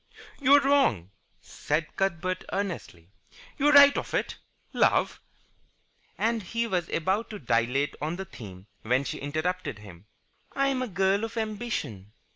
"You're wrong," said Cuthbert, earnestly. "You're right off it. Love " And he was about to dilate on the theme when she interrupted him. "I am a girl of ambition."